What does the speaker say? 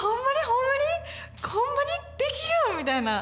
ほんまにできるん？みたいな。